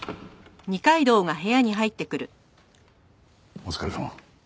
お疲れさま。